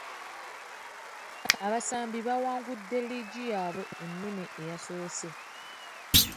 Abasambi baawangudde liigi yaabwe ennene eyasoose.